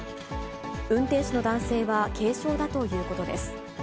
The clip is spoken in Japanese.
運転手の男性は軽傷だということです。